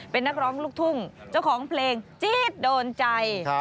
เป็นนักร้องลูกทุ่งเจ้าของเพลงจี๊ดโดนใจ